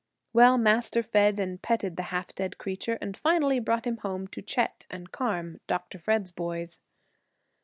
Well, Master fed and petted the half dead creature, and finally brought him home to Chet and Carm, Dr. Fred's boys.